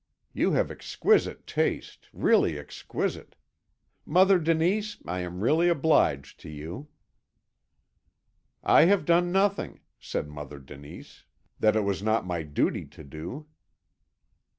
"You have exquisite taste, really exquisite. Mother Denise, I am really obliged to you." "I have done nothing," said Mother Denise, "that it was not my duty to do."